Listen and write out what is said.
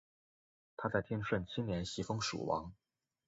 他在天顺七年袭封蜀王。